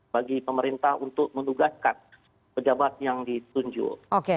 bagi pemerintah untuk menugaskan pejabat yang ditunjuk